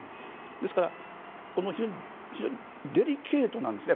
ですから非常にデリケートなんですね。